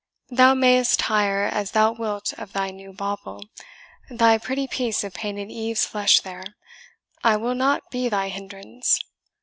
Thou mayest tire as thou wilt of thy new bauble, thy pretty piece of painted Eve's flesh there, I will not be thy hindrance.